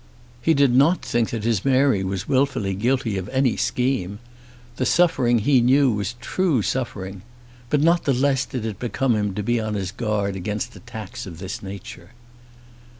He did not think that his Mary was wilfully guilty of any scheme. The suffering he knew was true suffering. But not the less did it become him to be on his guard against attacks of this nature.